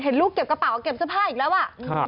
เห็นลูกเก็บกระป๋าแล้วเก็บสภาพอีกแล้วอะ